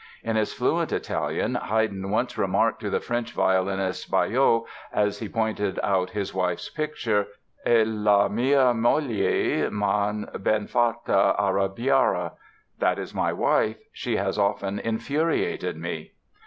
In his fluent Italian Haydn once remarked to the French violinist, Baillot, as he pointed out his wife's picture: "E la mia moglie; m'ha ben fatta arrabiare!" ("That is my wife; she has often infuriated me!").